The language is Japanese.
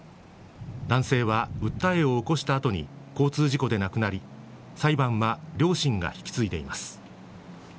男性は訴えを起こした後に交通事故で亡くなり裁判は両親が引き継いでいます。